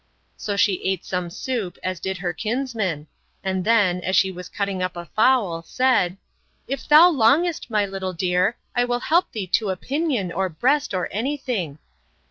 —So she ate some soup, as did her kinsman; and then, as she was cutting up a fowl, said, If thou longest, my little dear, I will help thee to a pinion, or breast, or any thing.